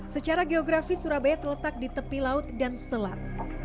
secara geografis surabaya terletak di tepi laut dan selat